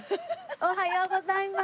おはようございまーす！